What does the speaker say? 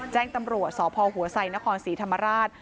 แจ้งตำรวจสพหัวไซนครศรีธรรมราช